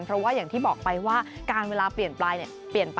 เพราะว่าอย่างที่บอกไปว่าการเวลาเปลี่ยนไป